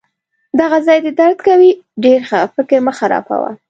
دغه ځای دي درد کوي؟ ډیر ښه! فکر مه خرابوه.